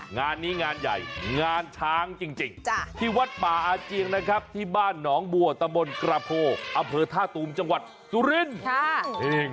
งานนี้งานใหญ่งานช้างจริงที่วัดป่าอาเจียงนะครับที่บ้านหนองบัวตะบนกระโพอำเภอท่าตูมจังหวัดสุรินทร์